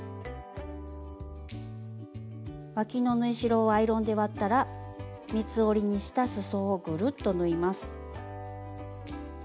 わきの縫い代をアイロンで割ったら三つ折りにしたすそをぐるっと縫います。